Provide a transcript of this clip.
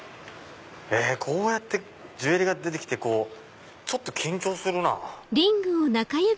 こうやってジュエリーが出て来てちょっと緊張するなぁ。